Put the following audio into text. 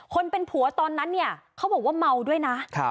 เป็นผัวตอนนั้นเนี่ยเขาบอกว่าเมาด้วยนะ